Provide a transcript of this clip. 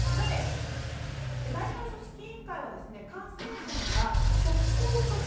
大会組織委員会は観戦者には直行直帰。